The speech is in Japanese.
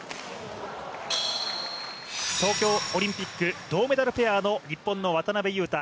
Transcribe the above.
東京オリンピック銅メダルペアの日本の渡辺勇大